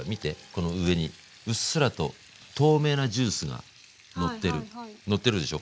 この上にうっすらと透明なジュースがのってるのってるでしょ